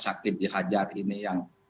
sakit dihajar ini yang